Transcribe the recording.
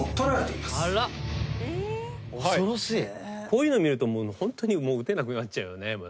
こういうの見るとホントに打てなくなっちゃうよね。